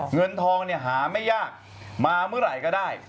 เงินทองเนี่ยหาไม่ยากมาเมื่อไหร่ก็ได้